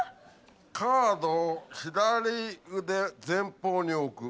「カードを左腕前方に置く」。